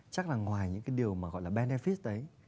chắc là ngoài những cái điều mà gọi là benefit đấy